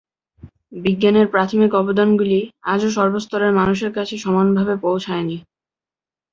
বিজ্ঞানের প্রাথমিক অবদানগুলি আজও সর্বস্তরের মানুষের কাছে সমান ভাবে পৌঁছায়নি।